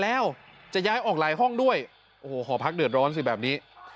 แล้วจะย้ายออกหลายห้องด้วยโอ้โหหอพักเดือดร้อนสิแบบนี้